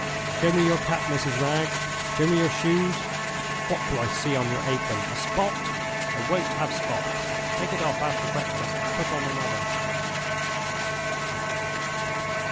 Show me your cap, Mrs. Wragge! show me your shoes! What do I see on your apron? A spot? I won't have spots! Take it off after breakfast, and put on another.